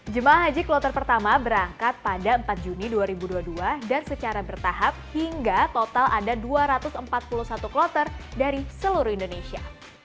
jemaah haji kloter pertama berangkat pada empat juni dua ribu dua puluh dua dan secara bertahap hingga total ada dua ratus empat puluh satu kloter dari seluruh indonesia